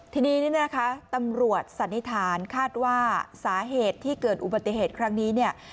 ทีนี้เนี่ยนะคะตำรวจสันนิษฐานคาดว่าสาเหตุที่เกิดอุบัติเหตุครั้งนี้เนี่ย